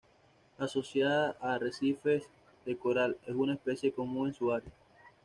Asociada a arrecifes de coral, es una especie común en su área.